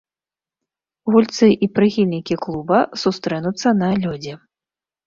Гульцы і прыхільнікі клуба сустрэнуцца на лёдзе.